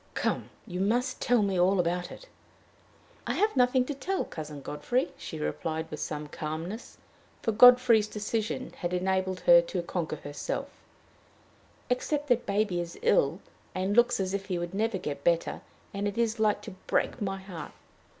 Come, you must tell me all about it." "I have nothing to tell, Cousin Godfrey," she replied with some calmness, for Godfrey's decision had enabled her to conquer herself, "except that baby is ill, and looks as if he would never get better, and it is like to break my heart.